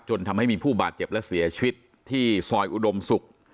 จนทำให้มีผู้บาดเจ็บและเสียชีวิตที่ซอยอุดมศุกร์